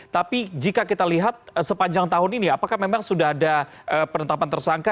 tapi jika kita lihat sepanjang tahun ini apakah memang sudah ada penetapan tersangka